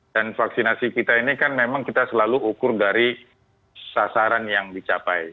dan vaksinasi kita ini kan memang kita selalu ukur dari sasaran yang dicapai